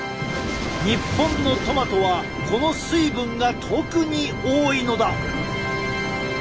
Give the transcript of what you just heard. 日本のトマトはこの水分が特に多いのだ。